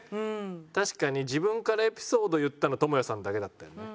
確かに自分からエピソード言ったのＴＯＭＯＹＡさんだけだったよね。